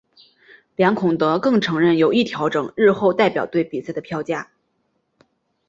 梁孔德更承认有意调整日后代表队比赛的票价。